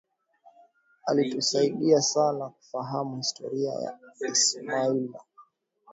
alitusaidia sana kufahamu historia ya isimila